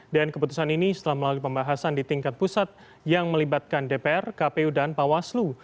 dan keputusan ini setelah melalui pembahasan di tingkat pusat yang melibatkan dpr kpu dan pawaslu